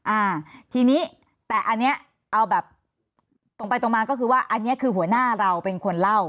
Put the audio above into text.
อ่าทีนี้แต่อันนี้เอาแบบตรงไปตรงมาก็คือว่าอันนี้คือหัวหน้าเราเป็นคนเล่า